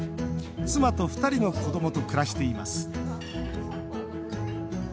妻と２人の子どもと暮らしています。